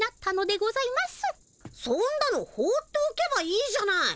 そんなのほうっておけばいいじゃない。